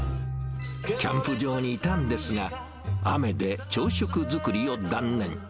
キャンプ場にいたんですが、雨で朝食作りを断念。